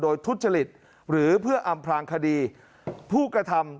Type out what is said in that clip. โดยทุจริตหรือเพื่ออำพลางคดีผู้กระทำ